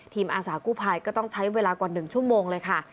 อาสากู้ภัยก็ต้องใช้เวลากว่า๑ชั่วโมงเลยค่ะ